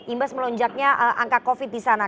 imbas melonjaknya angka covid sembilan belas di sana